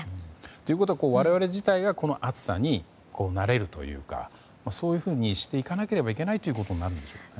ということは、我々自体がこの暑さに慣れるというかそういうふうにしていかなければいけないということになるんでしょうね。